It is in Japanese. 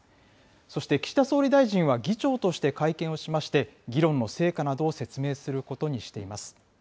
そして岸田総理大臣は、議長として会見をしまして、議論の成果などを説明することにしています。